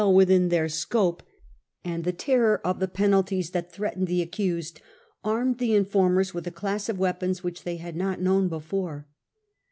a.d. 14 37 rheir influ ence under riberius, terror of the penalties that threatened the accused, armed the informers with a class of weapons which they had not known before.